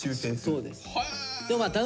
そうです。